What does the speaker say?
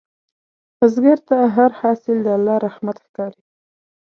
بزګر ته هر حاصل د الله رحمت ښکاري